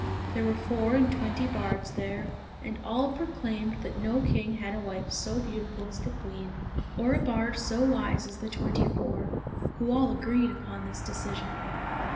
There were four and twenty bards there, and all proclaimed that no king had a wife so beautiful as the queen, or a bard so wise as the twenty four, who all agreed upon this decision.